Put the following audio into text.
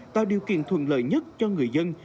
tạo điều kiện thuận lợi nhất cho người dân